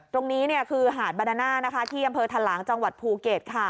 ตรงนี้คือหาดบาดาน่าที่อำเภอทะหลางจังหวัดภูเก็ต